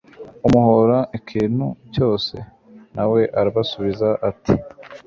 amuhora ikintu cyose? na we arabasubiza ati